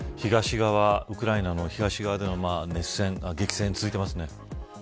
ウクライナの東側での激戦が続いていますね。